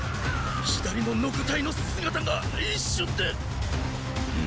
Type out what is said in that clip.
左のノコ隊の姿が一瞬でっ！。